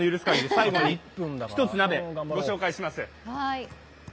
最後に１つ、鍋をご紹介します。